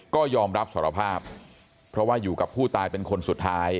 ก็ยอมรับสารภาพเพราะว่าอยู่กับผู้ตายเป็นคนสุดท้าย